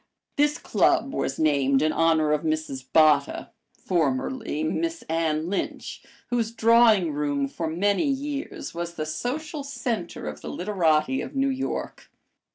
This club was named in honor of Mrs. Botta, formerly Miss Anne Lynch, whose drawing room for many years was the social center of the literati of New York.